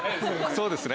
そうですね。